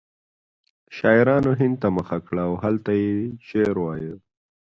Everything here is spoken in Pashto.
شاعرانو هند ته مخه کړه او هلته یې شعر وایه